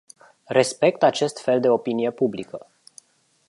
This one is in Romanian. Respect acest fel de opinie publică.